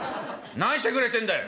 何してくれてんだよ」。